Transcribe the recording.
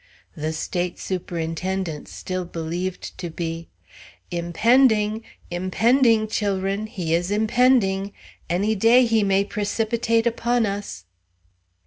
The State Superintendent still believed to be "Impending, impending, chil'run! he is impending! Any day he may precipitate upon us!"